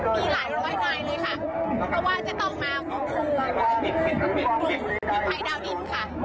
มีหลายร้อยไหนเลยค่ะเพราะว่าจะต้องมากรุงกรุงอยู่ภายดาวดินค่ะ